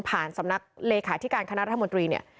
ผ่านสำนักเลขาธิการคณะรัฐบนตรี